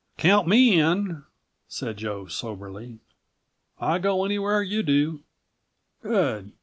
"Count me in," said Joe soberly. "I go anywhere you do." "Good!"